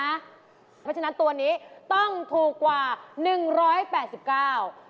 เพราะฉะนั้นตัวนี้ต้องถูกกว่า๑๘๙บาท